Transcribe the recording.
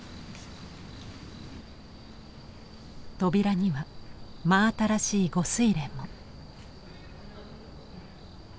扉には真新しい御翠簾も。